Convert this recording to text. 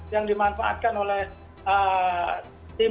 yang dimanfaatkan oleh pemerintah